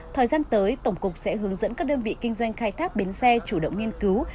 thời gian tới tổng cục sẽ hướng dẫn các đơn vị kinh doanh khai thác bến xe chủ động nghiên cứu